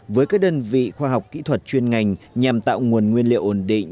với các đơn vị khoa học kỹ thuật chuyên ngành nhằm tạo nguồn nguyên liệu ổn định